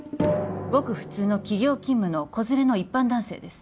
ごく普通の企業勤務の子連れの一般男性です